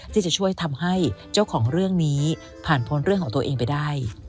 ที่จะช่วยทำให้เจ้าของเรื่องนี้ผ่านพ้นเรื่องของตัวเองไปได้